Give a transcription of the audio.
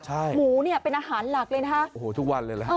ใช่หมูเนี่ยเป็นอาหารหลักเลยนะคะโอ้โหทุกวันเลยนะฮะ